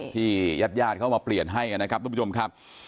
ที่ญาติยาดเขามาเปลี่ยนให้นะครับทุกผู้ชมครับ